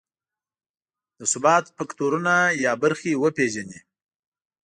د ثبات فکټورونه یا برخې وپېژني.